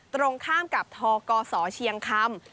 ตรงข้ามกับทกศเชียงคำ